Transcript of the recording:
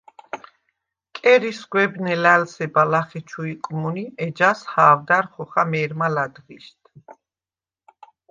კერი სგვებნე ლა̈ლსება ლახე ჩუ იკმუნი, ეჯას ჰა̄ვდა̈რ ხოხა მე̄რმა ლა̈დღიშდ.